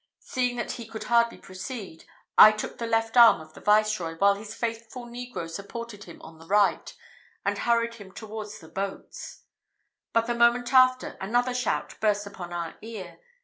Seeing that he could hardly proceed, I took the left arm of the viceroy, while his faithful negro supported him on the right, and hurried him towards the boats; but the moment after, another shout burst upon our ear.